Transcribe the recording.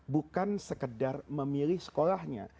bukan sekedar memilih sekolahnya